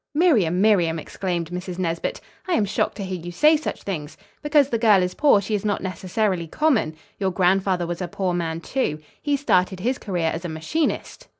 "Miriam, Miriam!" exclaimed Mrs. Nesbit, "I am shocked to hear you say such things. Because the girl is poor she is not necessarily common. Your grandfather was a poor man, too. He started his career as a machinist.